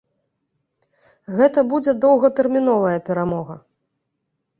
Гэта будзе доўгатэрміновая перамога.